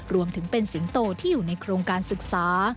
รวมถึงเป็นสิงโตที่อยู่ในโครงการศึกษา